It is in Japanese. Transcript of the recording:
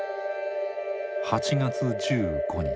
８月１５日。